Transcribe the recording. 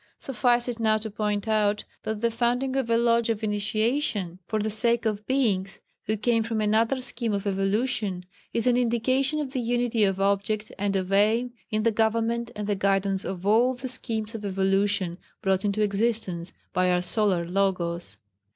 Suffice it now to point out that the founding of a Lodge of Initiation for the sake of Beings who came from another scheme of evolution is an indication of the unity of object and of aim in the government and the guidance of all the schemes of evolution brought into existence by our Solar Logos.